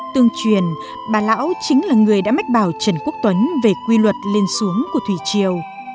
tương truyền bà lão chính là người đã mách bảo trần quốc tuấn về quy luật lên xuống của thủy triều